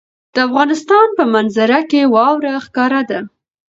د افغانستان په منظره کې واوره ښکاره ده.